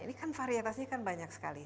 ini kan varietasnya kan banyak sekali